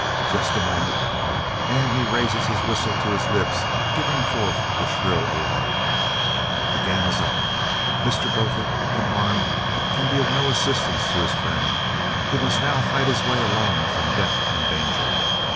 Just a moment, and he raises his whistle to his lips, giving forth the shrill alarm. The game is up. Mr. Botha, unarmed, can be of no assistance to his friend, who now must fight his way alone from death and danger.